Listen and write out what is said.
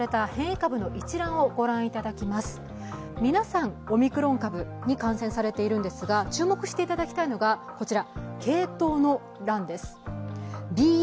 皆さん、オミクロン株に感染されてるんですが、注目していただきたいのがこちら、系統の欄です。